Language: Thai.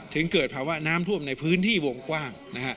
ถึงเกิดภาวะน้ำท่วมในพื้นที่วงกว้าง